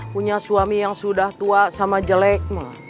punya suami yang sudah tua sama jelek